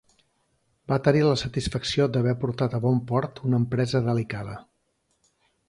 Va tenir la satisfacció d'haver portat a bon port una empresa delicada.